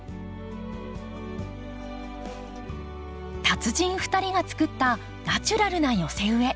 達人２人が作ったナチュラルな寄せ植え。